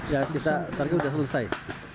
ya kita target sudah selesai